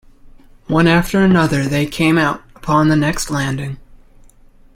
One after another they came out upon the next landing.